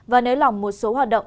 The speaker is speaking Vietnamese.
và nới lỏng một số hoạt động